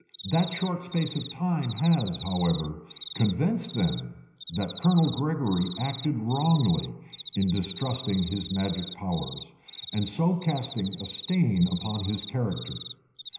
That short space of time has, however, convinced them that Colonel Gregory acted wrongly in distrusting his magic powers, and so casting a stain upon his character.